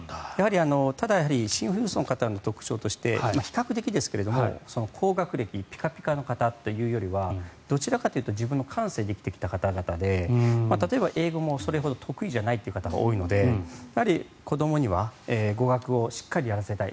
ただシン富裕層の方の特徴として比較的ですが、高学歴ピカピカの方というよりはどちらかというと自分の感性で生きてきた方々で例えば英語もそれほど得意じゃないという方が多いので子どもには語学をしっかりやらせたい。